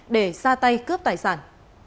để ra tay cướp tài sản